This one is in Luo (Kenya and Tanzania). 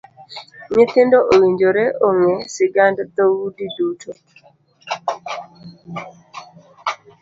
Nyithindo owinjore ong'e sigand dhoudi duto.